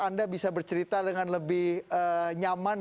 anda bisa bercerita dengan lebih nyaman